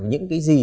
những cái gì